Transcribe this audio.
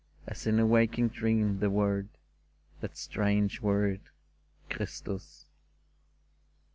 As in a waking dream, the word — That strange word, " Christus